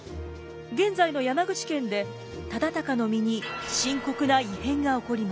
現在の山口県で忠敬の身に深刻な異変が起こります。